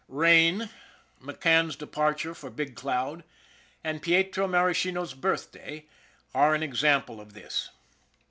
Rain, McCann's departure for Big Cloud, and Pietro Maraschino's birthday are an example of this.